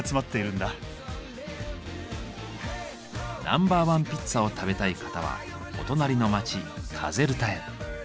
ナンバーワンピッツァを食べたい方はお隣の町カゼルタへ。